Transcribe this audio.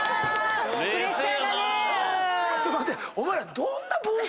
お前ら。